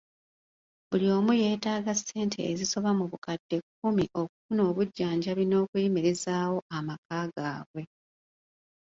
Buli omu yeetaaga ssente ezisoba mu bukadde kkumi okufuna obujjanjabi n'okuyimirizaawo amaka gaabwe.